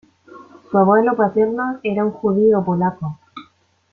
Su abuelo paterno era un judío polaco.